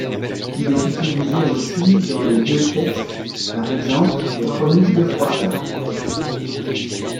Il est utilisé aussi dans les vieux textes par exemple les chroniques de Froissart.